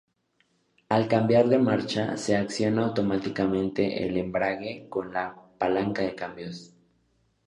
Al cambiar de marcha, se acciona automáticamente el embrague con la palanca de cambios.